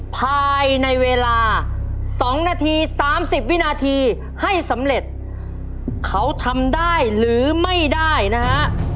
ภายในเวลา๒นาที๓๐วินาทีให้สำเร็จเขาทำได้หรือไม่ได้นะฮะ